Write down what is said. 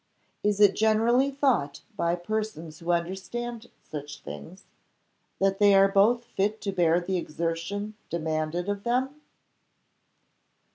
Is it generally thought, by persons who understand such things, that they are both fit to bear the exertion demanded of them?"